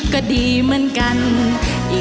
ก็ที่นี่